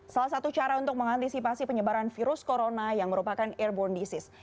salah satu cara untuk mengantisipasi penyebaran virus corona yang merupakan airborne disease